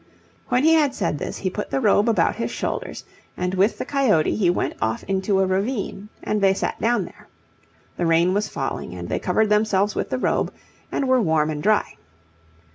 When he had said this he put the robe about his shoulders, and with the coyote he went off into a ravine and they sat down there. The rain was falling and they covered themselves with the robe, and were warm and dry.